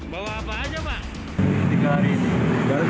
bawa apa aja pak